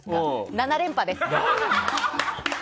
７連覇です。